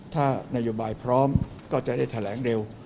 ถ้านโยบายพร้อมก็จะได้แถลงเร็ว